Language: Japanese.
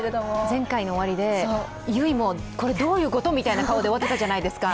前回の終わりで、悠依も、これ、どういうことという顔で終わってたじゃないですか。